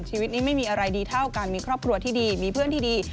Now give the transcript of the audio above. ชีวิตนี้ไม่มีอะไรดีเท่าการมีครอบครัวที่ดีมีเพื่อนที่ดี